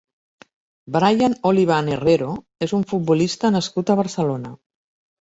Brian Oliván Herrero és un futbolista nascut a Barcelona.